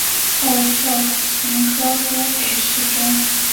后授刑科都给事中。